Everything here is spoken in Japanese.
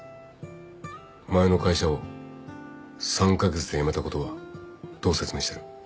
前の会社を３カ月で辞めたことはどう説明してる？